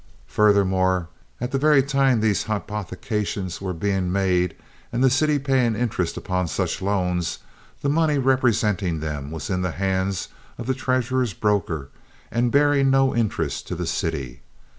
"Furthermore, at the very time these hypothecations were being made, and the city paying interest upon such loans, the money representing them was in the hands of the treasurer's broker and bearing no interest to the city.